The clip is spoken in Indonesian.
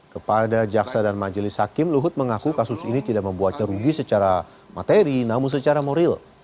kepada jaksa dan majelis hakim luhut mengaku kasus ini tidak membuatnya rugi secara materi namun secara moral